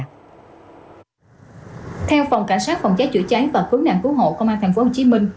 theo phòng cảnh sát phòng cháy chữa cháy và khu nạn cú hộ công an tp hcm